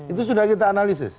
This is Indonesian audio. itu sudah kita analisis